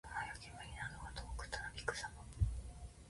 雲や煙などが遠くたなびくさま。